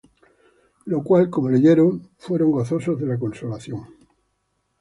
La cual, como leyeron, fueron gozosos de la consolación.